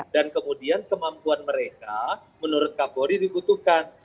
dan kemudian kemampuan mereka menurut kkori dibutuhkan